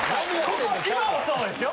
ここ今はそうですよ。